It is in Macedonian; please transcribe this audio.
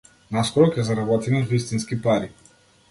Наскоро ќе заработиме вистински пари.